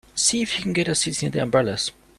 See if you can get us seats near the umbrellas.